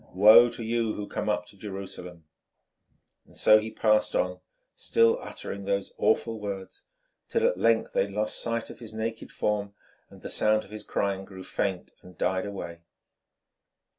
Woe to you who come up to Jerusalem!" So he passed on, still uttering those awful words, till at length they lost sight of his naked form and the sound of his crying grew faint and died away.